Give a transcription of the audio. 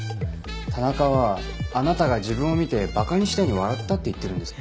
田中はあなたが自分を見て馬鹿にしたように笑ったって言ってるんです。